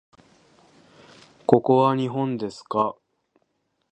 ここは日本ですか？